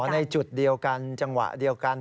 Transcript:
ในจุดเดียวกันจังหวะเดียวกัน